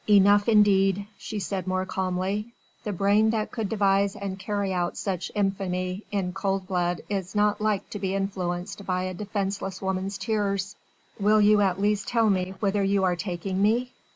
"Enough indeed," she said more calmly; "the brain that could devise and carry out such infamy in cold blood is not like to be influenced by a defenceless woman's tears. Will you at least tell me whither you are taking me?"